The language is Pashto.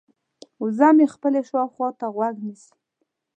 وزه مې خپلې شاوخوا ته غوږ نیسي.